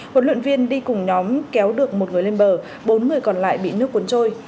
huấn luyện viên đi cùng nhóm kéo được một người lên bờ bốn người còn lại bị nước cuốn trôi